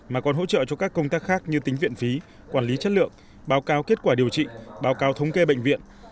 mà còn hỗ trợ cho các công tác khác như tính viện phí quản lý chất lượng báo cáo kết quả điều trị báo cáo thống kê bệnh viện